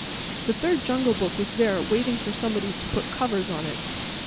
The third Jungle Book was there waiting for somebody to put covers on it.